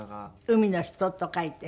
「海の人」と書いて。